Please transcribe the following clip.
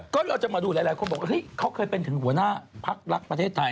ก็เราจะมาดูหลายคนบอกเฮ้ยเขาเคยเป็นถึงหัวหน้าพักรักประเทศไทย